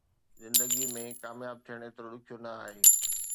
زندگي ۾ ڪامياب ٿيڻ ايترو ڏکيو نه آهي